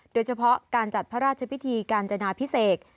โดยเฉพาะการจัดพระราชพิธีการจนาพิเศษ